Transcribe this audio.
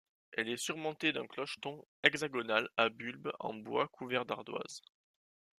Elle est surmontée d'un clocheton hexagonal à bulbe en bois couvert d'ardoises.